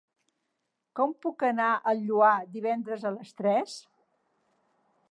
Com puc anar al Lloar divendres a les tres?